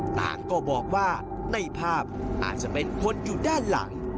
ต่างก็บอกว่าในภาพอาจจะเป็นคนอยู่ด้านหลัง